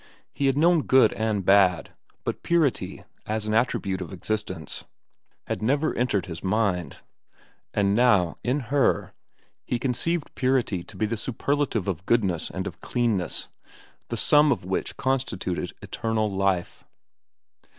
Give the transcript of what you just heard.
He had known good and bad; but purity, as an attribute of existence, had never entered his mind. And now, in her, he conceived purity to be the superlative of goodness and of cleanness, the sum of which constituted eternal life.